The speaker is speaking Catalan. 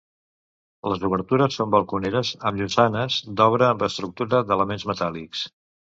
Les obertures són balconeres amb llosanes d'obra amb estructura d'elements metàl·lics.